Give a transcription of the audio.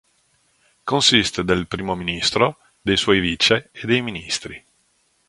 Consiste del Primo ministro, dei suoi vice e dei ministri.